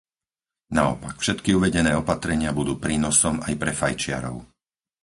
Naopak, všetky uvedené opatrenia budú prínosom aj pre fajčiarov.